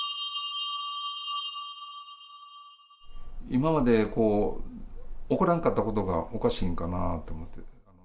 今まで起こらんかったことがおかしいんかなと思っていて。